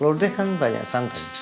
lodeh kan banyak santun